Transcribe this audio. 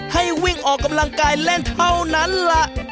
ให้วิ่งออกกำลังกายเล่นเท่านั้นล่ะ